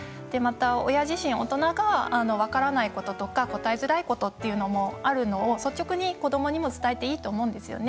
親自身、大人が分からないことや答えづらいこともあるのを率直に子どもにも伝えていいと思うんですよね。